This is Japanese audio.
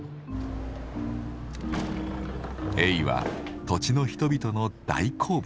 エイは土地の人々の大好物。